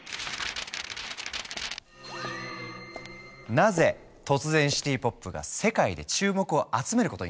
なぜ突然シティ・ポップが世界で注目を集めることになったのか。